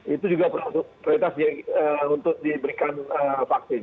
itu juga prioritas untuk diberikan vaksin